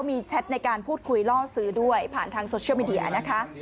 มีแชทในการพูดคุยล่อซื้อด้วยผ่านทางโซเชียลมีเดียนะคะ